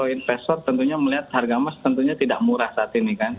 investor tentunya melihat harga emas tentunya tidak murah saat ini kan